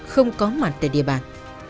không có mặt tại địa bàn